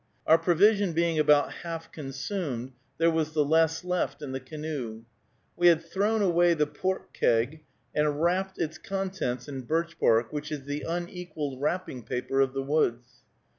Our provision being about half consumed, there was the less left in the canoe. We had thrown away the pork keg, and wrapt its contents in birch bark, which is the unequaled wrapping paper of the woods.